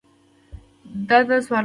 دا د څوارلسمې پېړۍ محصول ده.